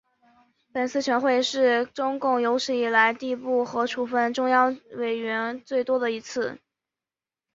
本次全会是中共有史以来递补和处分中央委员最多的一次。